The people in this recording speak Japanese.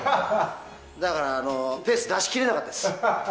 だから出し切れなかったです。